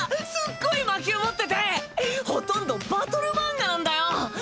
すっごい魔球持っててほとんどバトル漫画なんだよ。